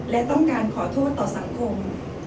และต้องการขอโทษต่อสังคม